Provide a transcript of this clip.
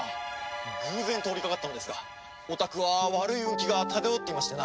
偶然通りかかったのですがお宅は悪い運気が漂っていましてな。